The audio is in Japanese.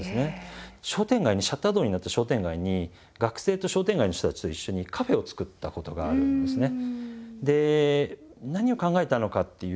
商店街にシャッター通りになった商店街に学生と商店街の人たちと一緒にカフェをつくったことがあるんですね。